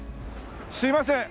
すみません。